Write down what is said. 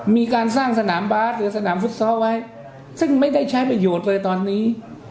มีการสร้างสนามบาสหรือสนามฟุตซอลไว้ซึ่งไม่ได้ใช้ประโยชน์เลยตอนนี้